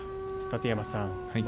楯山さん